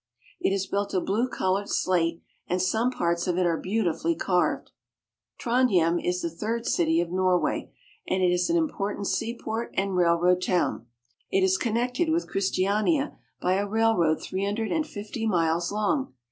It is built of blue colored slate, and some parts of it are beautifully carved. Trondhjem is the third city of Nor way, and is an im portant seaport and railroad town. It Trondhjem Cathedral. is connected with Christiania by a railroad three hun dred and fifty miles long.